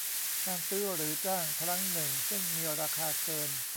การซื้อหรือจ้างครั้งหนึ่งซึ่งมีราคาเกิน